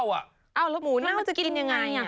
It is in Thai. อ้าวแล้วหมูน้ำจะกินยังไงอ่ะ